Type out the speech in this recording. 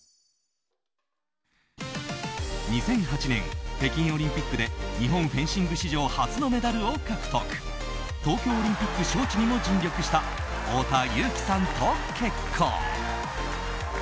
２００８年、北京オリンピックで日本フェンシング史上初のメダルを獲得東京オリンピック招致にも尽力した太田雄貴さんと結婚。